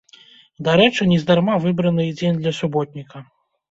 Дарэчы, нездарма выбраны і дзень для суботніка.